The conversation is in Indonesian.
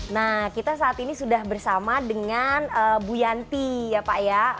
nah kita saat ini sudah bersama dengan bu yanti ya pak ya